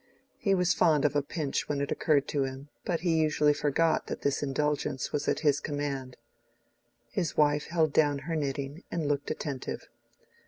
He was fond of a pinch when it occurred to him, but he usually forgot that this indulgence was at his command. His wife held down her knitting and looked attentive.